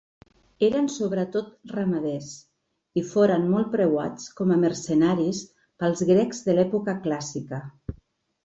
Eren sobretot ramaders, i foren molt preuats com a mercenaris pels grecs de l'època clàssica.